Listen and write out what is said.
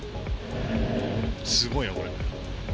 すごいな、これ。